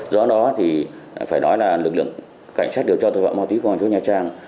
do đó thì phải nói là lực lượng cảnh sát điều tra tội phạm ma túy công an thành phố nha trang